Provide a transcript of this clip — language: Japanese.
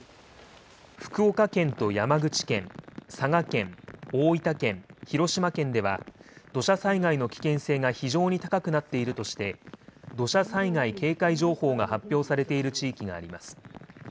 福岡県と山口県、佐賀県、大分県、広島県では土砂災害の危険性が非常に高くなっているとして、土砂災害警戒情報が発表されている地域があります。